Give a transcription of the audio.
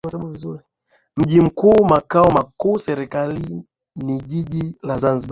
Mji mkuu na makao makuu ya serikali ni Jiji la Zanzibar